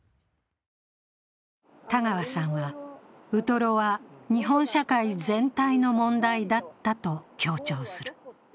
田川さんは、ウトロは日本社会全体の問題だったと強調する。